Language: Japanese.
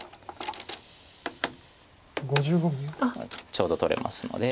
ちょうど取れますので。